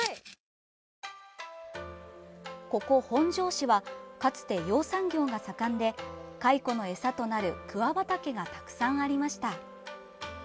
ここ本庄市はかつて養蚕業が盛んで蚕の餌となる桑畑がたくさんありました。